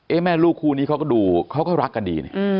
เอ๊ะแม่ลูกคู่นี้เขาก็รักกันดี